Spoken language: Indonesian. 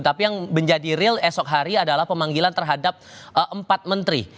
tapi yang menjadi real esok hari adalah pemanggilan terhadap empat menteri